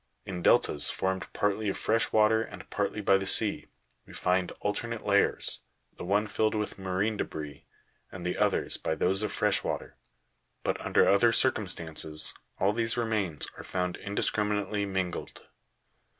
In deltas formed partly of fresh water and partly by the sea, we find alternate layers, the one filled with marine debris, and the others by those of fresh water; but, under other circumstances, all these remains are found indiscriminately mingled.